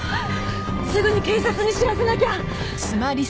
すぐに警察に知らせなきゃ。